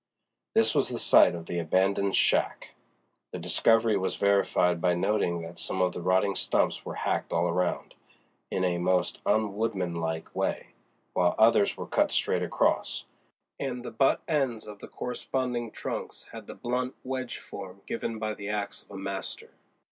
This was the site of the abandoned "shack." The discovery was verified by noting that some of the rotting stumps were hacked all round, in a most unwoodmanlike way, while others were cut straight across, and the butt ends of the corresponding trunks had the blunt wedge form given by the axe of a master.